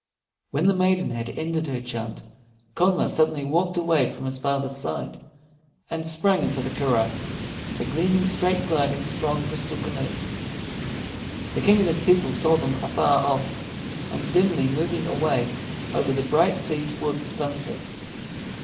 When the maiden had ended her chant, Connla suddenly walked away from his father's side, and sprang into the curragh, the gleaming, straight gliding, strong, crystal canoe. The King and his people saw them afar off, and dimly moving away over the bright sea towards the sunset.